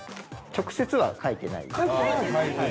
◆直接は書いてないです。